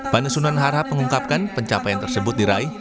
panusunan harahap mengungkapkan pencapaian tersebut diraih